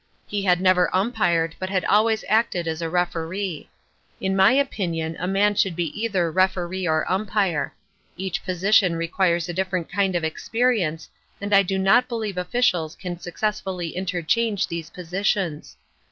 He had never umpired but had always acted as a Referee. In my opinion a man should be either Referee or Umpire. Each position requires a different kind of experience and I do not believe officials can successfully interchange these positions.